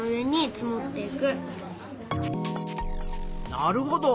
なるほど。